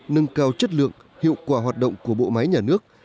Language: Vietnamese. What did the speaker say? nâng cao chất lượng hiệu quả hoạt động của bộ máy nhà nước